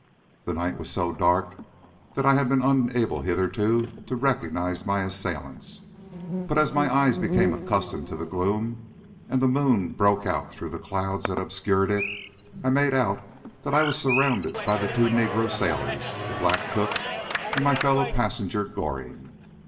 The night was so dark that I had been unable hitherto to recognise my assailants, but as my eyes became accustomed to the gloom, and the moon broke out through the clouds that obscured it, I made out that I was surrounded by the two negro sailors, the black cook, and my fellow passenger Goring.